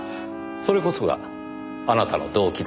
それこそがあなたの動機だった。